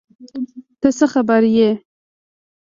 ته څه خبر یې ؟